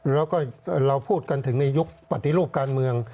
แล้วก็เราพูดกันถึงในยุคปฏิรูปการเมือง